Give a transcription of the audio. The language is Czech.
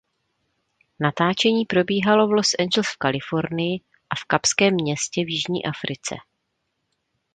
Natáčení probíhalo v Los Angeles v Kalifornii a v Kapském Městě v Jižní Africe.